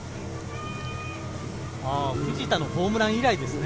藤田のホームラン以来ですね。